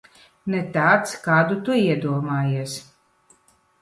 Ne tāds, kādu tu iedomājies.